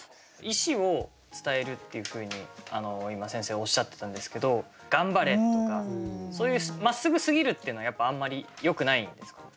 意思を伝えるっていうふうに今先生おっしゃってたんですけど「頑張れ」とかそういうまっすぐすぎるっていうのはやっぱあんまりよくないんですか？